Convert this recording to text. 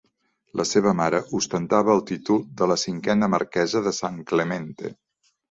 La seva mare ostentava el títol de la cinquena Marquesa de San Clemente.